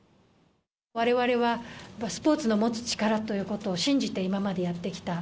われわれはスポーツの持つ力ということを信じて、今までやってきた。